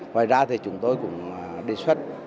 ngoài ra thì chúng tôi cũng đề xuất